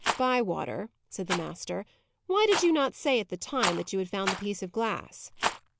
"Bywater," said the master, "why did you not say, at the time, that you found the piece of glass?"